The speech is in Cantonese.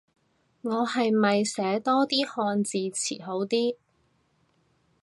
我係咪寫多啲漢字詞好啲